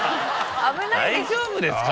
大丈夫ですか？